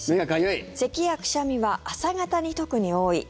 せきやくしゃみは朝方に特に多い。